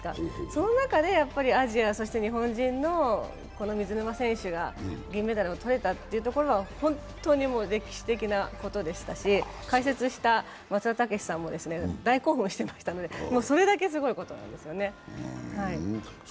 その中でアジア、そして日本人の、この水沼選手が銀メダルを取れたというところは本当に歴史的なことでしたし、解説した松田丈志さんも大興奮していましたのでそれだけすごいことなんですよね。